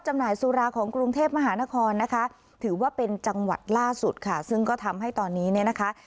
จังหวัดล่าสุดค่ะซึ่งก็ทำให้ตอนนี้เนี่ยนะคะ